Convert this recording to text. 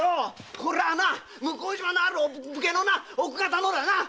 これは向島のあるお武家の奥方のだな。